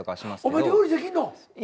お前料理できんの？